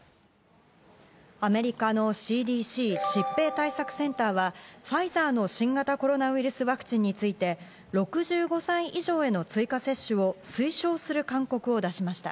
アメリカのＣＤＣ＝疾病対策センターはファイザーの新型コロナウイルスワクチンについて６５歳以上への追加接種を推奨する勧告を出しました。